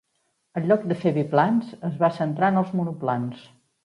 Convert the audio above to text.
En lloc de fer biplans es va centrar en els monoplans.